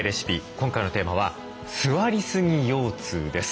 今回のテーマは座りすぎ腰痛です。